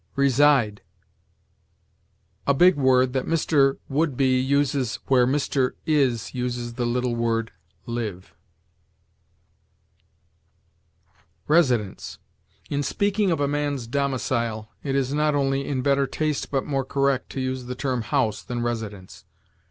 RESIDE. A big word that Mr. Wouldbe uses where Mr. Is uses the little word live. RESIDENCE. In speaking of a man's domicile, it is not only in better taste but more correct to use the term house than residence.